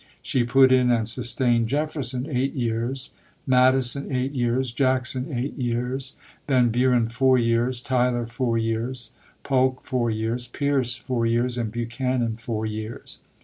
She put in and sustained Jefferson eight years, Madison eight years, Jackson eight years, Van Buren four years, Tyler four years, Polk four years, Pierce four years, and Buchanan four years.